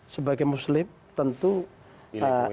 sebagai muslim tentu ikut